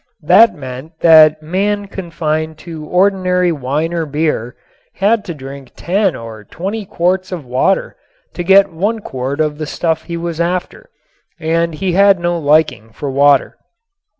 That meant that a man confined to ordinary wine or beer had to drink ten or twenty quarts of water to get one quart of the stuff he was after, and he had no liking for water.